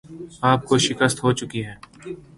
آپ کو شکست ہوچکی ہے